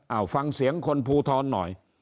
เอาฟังเสียงคนภูทรหน่อย